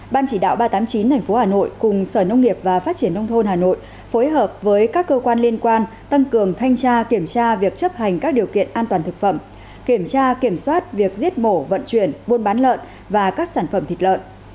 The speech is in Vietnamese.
ban chỉ đạo ba trăm tám mươi chín tp hà nội cùng sở nông nghiệp và phát triển nông thôn hà nội phối hợp với các cơ quan liên quan tăng cường thanh tra kiểm tra việc chấp hành các điều kiện an toàn thực phẩm kiểm tra kiểm soát việc giết mổ vận chuyển buôn bán lợn và các sản phẩm thịt lợn